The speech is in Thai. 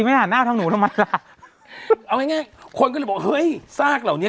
ไม่ได้หาหน้าทำหนูทำไมล่ะเอาไงคนก็เลยบอกเฮ้ยซากเหล่านี้